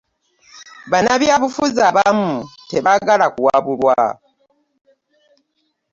Bannabyabufuzi abamu tebaagala kuwabulwa.